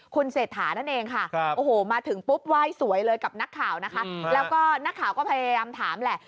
คุณเศรษฐานั่นเองค่ะโอ้โหมาถึงปุ๊บไหว้สวยเลยกับนักข่าวนะคะแล้วก็นักข่าวก็พยายามถามแหละ